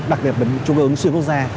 đặc biệt là chú cung ứng xuyên quốc gia